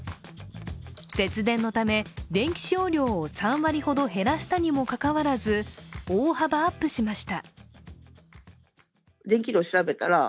節電のため電気使用量を３割ほど減らしたにもかかわらず大幅アップしました。